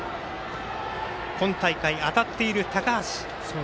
今大会、当たっている高橋。